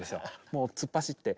もう突っ走って。